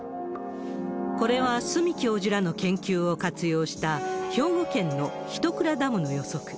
これは、角教授らの研究を活用した、兵庫県の一庫ダムの予測。